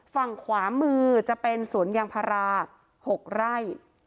ฝั่งขวามือจะเป็นสวนยางพารา๖ไร่